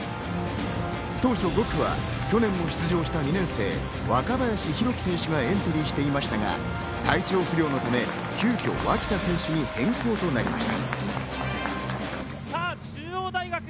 当初５区は去年も出場した２年生・若林宏樹選手がエントリーしていましたが、体調不良のため、急きょ脇田選手に変更となりました。